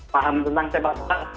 paham tentang sepak sepak